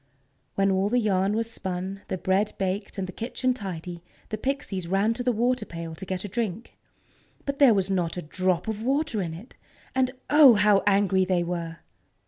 When all the yarn was spun, the bread baked, and the kitchen tidy, the Pixies ran to the water pail to get a drink. But there was not a drop of water in it! And, oh! how angry they were!